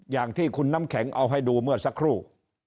อย่างที่คุณน้ำแข็งเอาให้ดูเมื่อสักครู่